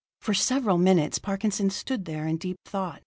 For several minutes Parkinson stood there in deep thought.